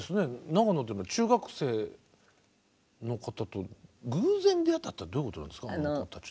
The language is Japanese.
長野での中学生の方と偶然出会ったってどういうことなんですか？